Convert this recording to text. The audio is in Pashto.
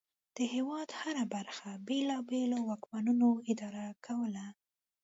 د هېواد هره برخه بېلابېلو واکمنانو اداره کوله.